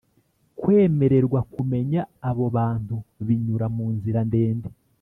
kwemererwa kumenya abo bantu binyura munzira ndende